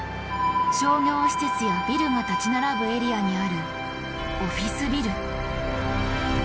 商業施設やビルが立ち並ぶエリアにあるオフィスビル。